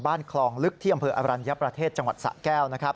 คลองลึกที่อำเภออรัญญประเทศจังหวัดสะแก้ว